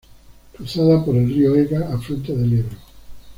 Cruzada por el río Ega, afluente del Ebro.